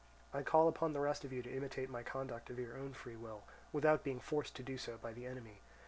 I call upon the rest of you to imitate my conduct of your own free will, without being forced to do so by the enemy.